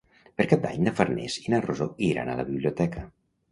Per Cap d'Any na Farners i na Rosó iran a la biblioteca.